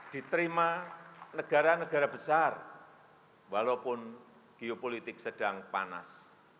diterima negara negara besar walaupun geopolitik sedang panas